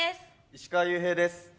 石川裕平です。